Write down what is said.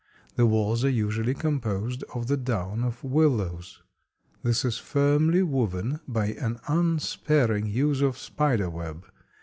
The walls are usually composed of the down of willows. This is firmly woven by an unsparing use of spider web.